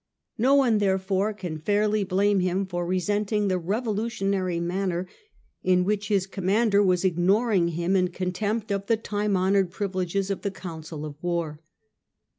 No one, therefore, can fairly blame him for resenting the revolutionary manner in which his commander was ignoring him in contempt of the time honoured privileges of the council of war.